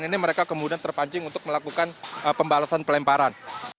ini mereka kemudian terpancing untuk melakukan pembalasan pelemparan